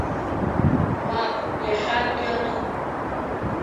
Мап, иахьа акгьы аным!